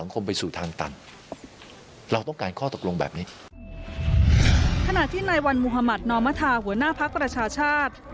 ขณะที่นายวัลมุธมัธนมหัวหน้าภักรประชาชาธิ์